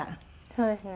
そうですね